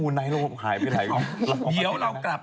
ถ่ายรักวัวอฟฟิเชียวหน้าถ่ายรักครับ